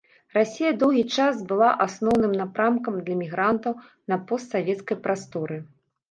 Расія доўгі час была асноўным напрамкам для мігрантаў на постсавецкай прасторы.